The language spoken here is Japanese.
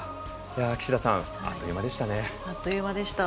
岸田さんあっという間でしたね。